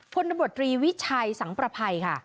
พลตำรวจตรีวิชัยสังประภัยค่ะ